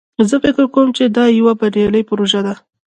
زه فکر کوم چې دا یوه بریالی پروژه ده